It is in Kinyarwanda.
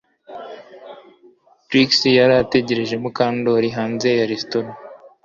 Trix yari ategereje Mukandoli hanze ya resitora